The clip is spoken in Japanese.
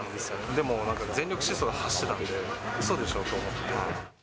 でもなんか、全力疾走で走ってたんで、うそでしょ？と思って。